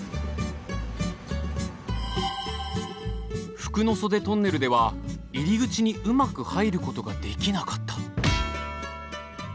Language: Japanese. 「服の袖トンネル」では入り口にうまく入ることができなかった。